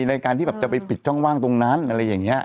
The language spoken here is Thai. ในการที่จะไปปิดช่องว่างตรงนั้น